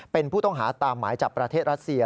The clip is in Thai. เป็นผู้ต้องหาตามหมายจับประเทศรัสเซีย